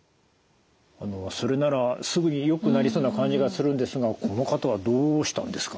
それならすぐによくなりそうな感じがするんですがこの方はどうしたんですかね？